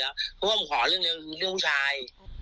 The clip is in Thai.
เพราะว่าผมขอเรื่องนี้เรื่องผู้ชาย